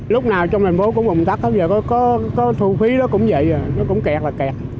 lúc nào trong thành phố cũng ùn tắc giờ có thu phí đó cũng vậy nó cũng kẹt là kẹt